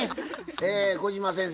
小島先生